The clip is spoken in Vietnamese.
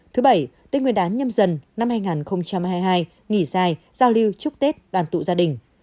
thứ bảy tết nguyên đán nhâm dần năm hai nghìn hai mươi hai nghỉ dài giao lưu chúc tết đoàn tụ gia đình